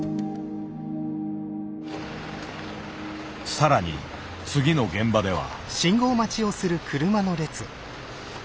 さらに次の現場では。